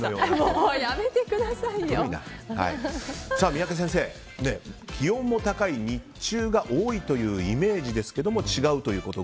三宅先生、気温も高い日中が多いというイメージですが違うということ。